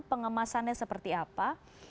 pengemasannya seperti apa